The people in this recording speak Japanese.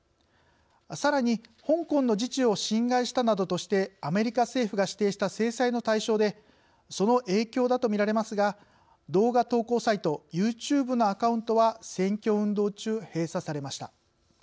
さらに「香港の自治を侵害した」などとしてアメリカ政府が指定した制裁の対象でその影響だと見られますが動画投稿サイトユーチューブのアカウントは選挙運動中、閉鎖されました。